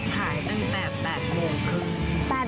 ขายตั้งแต่๘โมงครึ่ง